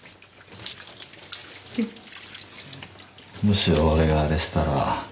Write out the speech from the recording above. もし俺があれしたら。